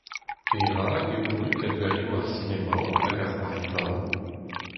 Perak eo ruz kadorioù ar sinemaoù hag ar c'hoarivaoù ?